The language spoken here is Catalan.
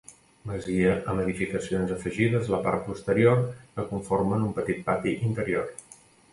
Masia amb edificacions afegides a la part posterior que conformen un petit pati interior.